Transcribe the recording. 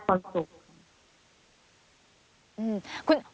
ก็อยู่หน้าเป็นคนสุข